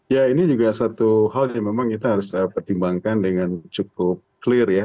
ya ini juga satu hal yang memang kita harus pertimbangkan dengan cukup clear ya